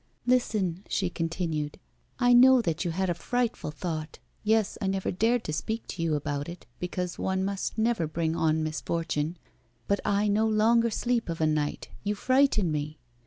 'Listen!' she continued. 'I know that you had a frightful thought; yes, I never dared to speak to you about it, because one must never bring on misfortune; but I no longer sleep of a night, you frighten me.